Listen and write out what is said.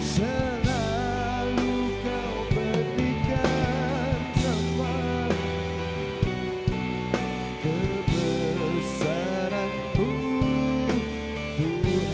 selalu kau berikan sumpah kebesaran mu tuhan